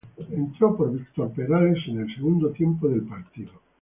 Entró por Víctor Perales en el segundo tiempo del partido.